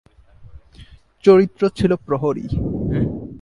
চরিত্র ছিল প্রহরী।